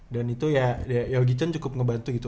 dan itu ya yogi chan cukup ngebantu gitu